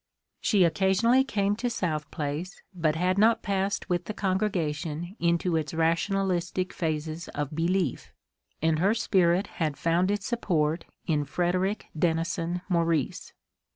She occa sionally came to South Place, but had not passed with the congregation into its rationalistic phases of belief, and her spirit had found its support in Frederic Denison Maurice.